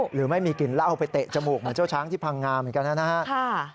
หรือไม่มีกลิ่นเหล้าไปเตะจมูกเหมือนเจ้าช้างที่พังงาเหมือนกันนะครับ